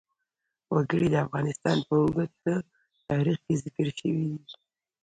وګړي د افغانستان په اوږده تاریخ کې ذکر شوی دی.